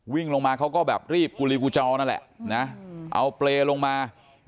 วิ่งลงมาเขาก็แบบรีบกุลีกูจอนั่นแหละนะเอาเปรย์ลงมา